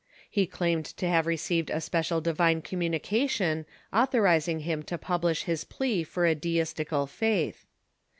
He claimed to have received a special divine communication authorizing him to publish his plea for a Deistical faith.